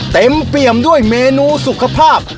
เต็มเปรียมด้วยเมนูสุขภาพ